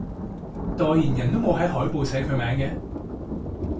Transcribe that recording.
代言人都冇喺海報寫佢名嘅？